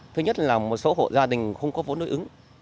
thứ nhất là một số hộ gia đình không có vốn đối ứng